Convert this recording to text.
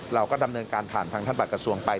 เราก็ดำเนินการผ่านทางท่านบัตรกระทรวงไป